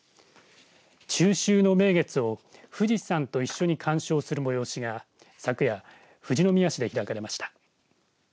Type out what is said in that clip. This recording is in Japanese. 中秋の名月を富士山と一緒に観賞する催しが昨夜、富士宮市で開かれました。